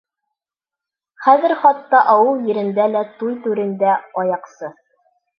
Хәҙер хатта ауыл ерендә лә туй түрендә — аяҡсы.